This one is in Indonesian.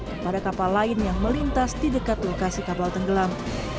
kepada kapal lain yang melintas di dekat lokasi kapal tenggelam